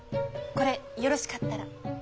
これよろしかったら。